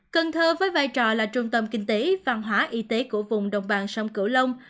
cần thơ với vai trò là trung tâm kinh tế văn hóa y tế của vùng đồng bằng sông cửu long